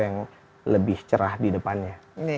yang lebih cerah di depannya